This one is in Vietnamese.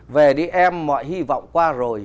về đi em mọi hy vọng qua rồi